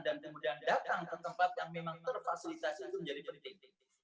dan kemudian datang ke tempat yang memang terfasilitasi itu menjadi penting